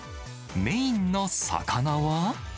メインの魚は。